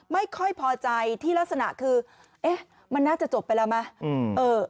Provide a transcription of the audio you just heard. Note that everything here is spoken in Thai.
ไม่พอใจที่ลักษณะคือเอ๊ะมันน่าจะจบไปแล้วไหม